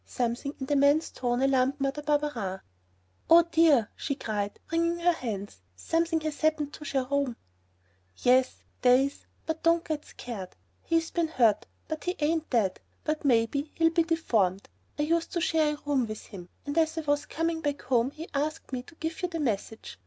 Something in the man's tone alarmed Mother Barberin. "Oh, dear," she cried, wringing her hands, "something has happened to Jerome!" "Yes, there is, but don't get scared. He's been hurt, but he ain't dead, but maybe he'll be deformed. I used to share a room with him, and as I was coming back home he asked me to give you the message.